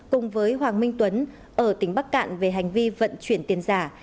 cùng với hoàng minh tuấn ở tỉnh bắc cạn về hành vi vận chuyển tiền giả